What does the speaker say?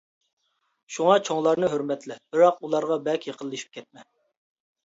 شۇڭا چوڭلارنىڭ ھۆرمەتلە، بىراق ئۇلارغا بەك يېقىنلىشىپ كەتمە.